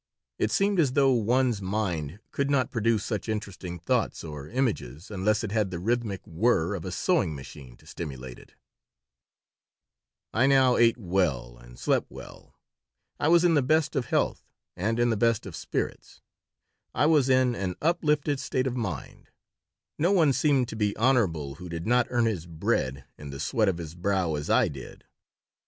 It seemed as though one's mind could not produce such interesting thoughts or images unless it had the rhythmic whir of a sewing machine to stimulate it I now ate well and slept well. I was in the best of health and in the best of spirits. I was in an uplifted state of mind. No one seemed to be honorable who did not earn his bread in the sweat of his brow as I did.